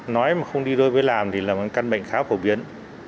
nói mà không đi đôi với làm thì là một căn bệnh khá phổ biến